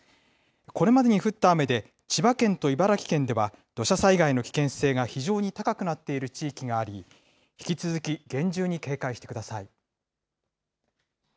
これまでに降った雨で、千葉県と茨城県では土砂災害の危険性が非常に高くなっている地域があり、引き続き厳重に警戒してください。